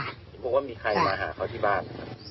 เห็นบอกว่ามีใครมาหาเขาที่บ้าน